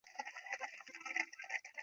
王掞在石槽迎驾。